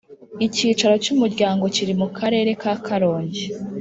Icyicaro cyUmuryango kiri mu Karere ka Karongi